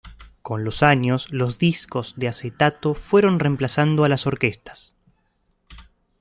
Con los años, los discos de acetato fueron reemplazando a las orquestas.